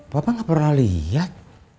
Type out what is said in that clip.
papa gak pernah liat